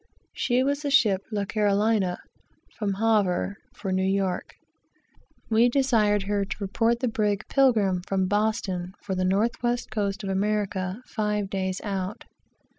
She was the ship La Carolina, from Havre, for New York. We desired her to report the brig Pilgrim, from Boston, for the north west coast of America, five days out.